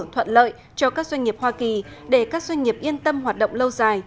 thuận lợi cho các doanh nghiệp hoa kỳ để các doanh nghiệp yên tâm hoạt động lâu dài